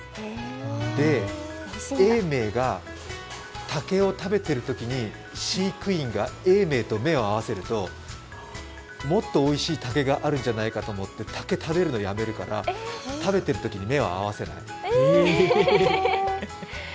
で、永明が竹を食べてるときに飼育員が永明と目を合わせると、もっとおいしい竹があるんじゃないかと思って竹食べるのやめるから、食べてるときに目を合わせない。